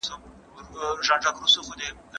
کرکټ د هېواد د ملي یووالي او د خلکو د خوښۍ وسیله ده.